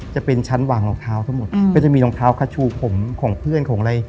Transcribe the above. จะเป็นชั้นวางรองเท้าทั้งหมดก็จะมีรองเท้าคาชูผมของเพื่อนของอะไร